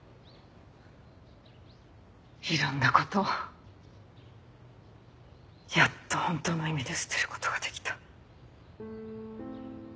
いろんな事やっと本当の意味で捨てる事ができた。